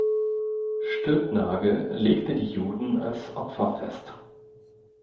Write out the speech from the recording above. Stülpnagel legte die Juden als Opfer fest.